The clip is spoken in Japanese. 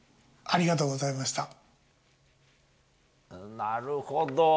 なるほど。